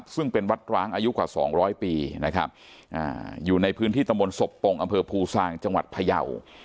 ซึ่งเป็นวัดร้างอายุกว่า๒๐๐ปีนะครับอยู่ในพื้นที่ตะมนต์ศพปงอำเภอภูซางจังหวัดพยาว